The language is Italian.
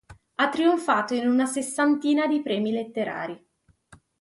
Ha trionfato in una sessantina di premi letterari.